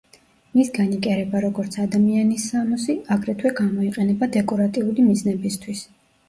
მისგან იკერება როგორც ადამიანის სამოსი, აგრეთვე გამოიყენება დეკორატიული მიზნებისთვის.